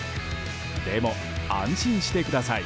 でも、安心してください。